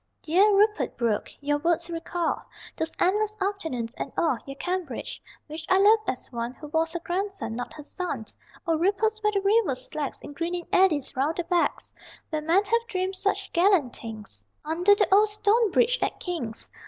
Dear Rupert Brooke, your words recall Those endless afternoons, and all Your Cambridge which I loved as one Who was her grandson, not her son. O ripples where the river slacks In greening eddies round the "backs"; Where men have dreamed such gallant things Under the old stone bridge at King's.